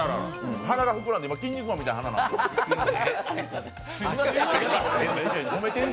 鼻が膨らんで、キン肉マンみたいな鼻になってる。